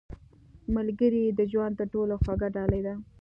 • ملګری د ژوند تر ټولو خوږه ډالۍ ده.